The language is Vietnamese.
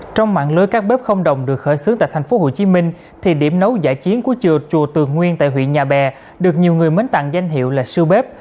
trong mạng lưới các bếp không đồng được khởi xướng tại tp hcm thì điểm nấu giải chiến của chùa tường nguyên tại huyện nhà bè được nhiều người mến tặng danh hiệu là sư bếp